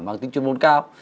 mang tính chuyên môn cao